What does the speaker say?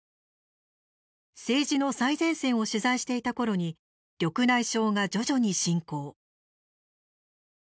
政治の最前線を取材していたころに緑内障が徐々に進行。